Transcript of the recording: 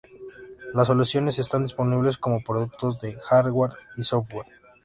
Las soluciones están disponibles como productos de hardware y software.